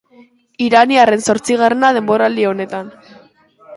Iraniarraren zortzigarrena denboraldi honetan.